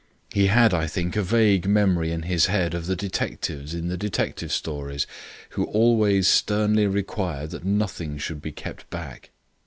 He had, I think, a vague memory in his head of the detectives in the detective stories, who always sternly require that nothing should be kept back.